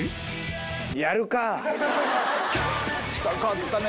近かったね